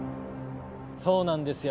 そうなんですよ